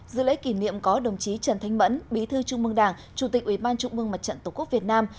dự lễ kỷ niệm có đồng chí trần thanh mẫn bí thư trung mương đảng chủ tịch ủy ban trung mương mặt trận tổ quốc việt nam